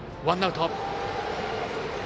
ワンアウト。